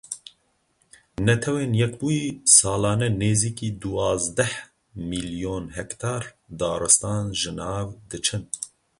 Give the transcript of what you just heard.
Netewên Yekbûyî salane nêzîkî duwazdeh milyon hektar daristan ji nav diçin.